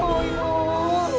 ibu bangun bu bangun